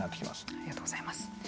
ありがとうございます。